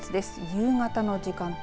夕方の時間帯